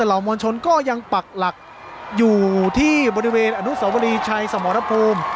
เหล่ามวลชนก็ยังปักหลักอยู่ที่บริเวณอนุสวรีชัยสมรภูมิ